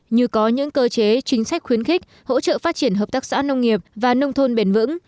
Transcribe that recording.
như có những cơ chế chính sách khuyến khích hỗ trợ phát triển hợp tác xã nông nghiệp và nông thôn bền vững